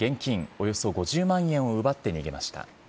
およそ５０万円を奪って逃げました。